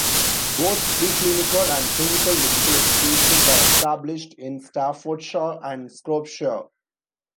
Both pre-clinical and clinical medical education were established in Staffordshire and Shropshire.